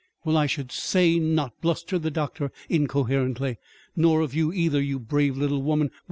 Well, I should say not," blustered the doctor incoherently; "nor of you, either, you brave little woman.